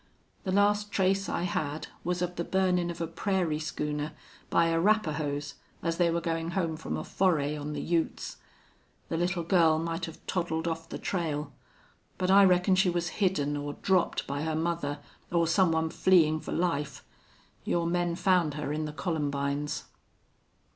The last trace I had was of the burnin' of a prairie schooner by Arapahoes as they were goin' home from a foray on the Utes.... The little girl might have toddled off the trail. But I reckon she was hidden or dropped by her mother, or some one fleein' for life. Your men found her in the columbines."